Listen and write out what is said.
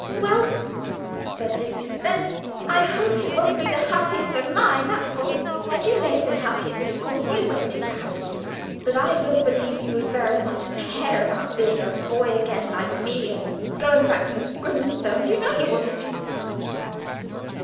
"Well," said Dick, "then I hope it won't be the happiest time in mine, that's all! And you may have been happy at the school you went to, perhaps, but I don't believe you would very much care about being a boy again like me, and going back to Grimstone's, you know you wouldn't!"